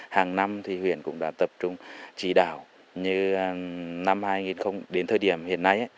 hàng năm thì huyện cũng đã tập trung chỉ đạo như năm hai nghìn đến thời điểm hiện nay